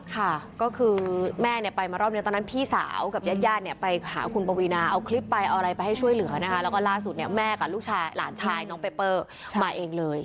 ค่ะก็คือแม่เนี่ยไปมารอบนี้ตอนนั้นพี่สาวกับญาติญาติเนี่ยไปหาคุณปวีนาเอาคลิปไปเอาอะไรไปให้ช่วยเหลือนะคะแล้วก็ล่าสุดเนี่ยแม่กับลูกชายหลานชายน้องเปเปอร์มาเองเลย